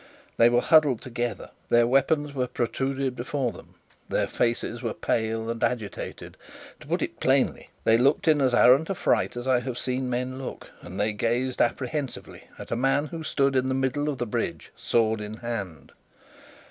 They were huddled together; their weapons were protruded before them; their faces were pale and agitated. To put it plainly, they looked in as arrant a fright as I have seen men look, and they gazed apprehensively at a man who stood in the middle of the bridge, sword in hand.